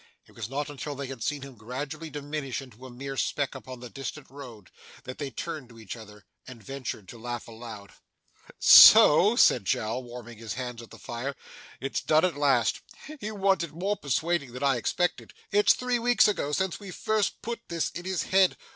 It was not until they had seen him gradually diminish into a mere speck upon the distant road, that they turned to each other, and ventured to laugh aloud. 'So,' said Jowl, warming his hands at the fire, 'it's done at last. He wanted more persuading than I expected. It's three weeks ago, since we first put this in his head.